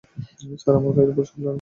Sir, আমার গায়ের উপর ঢলে পড়ল।